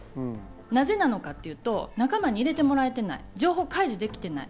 なぜなのかというと、仲間に入れてもらえてない、情報開示できてない。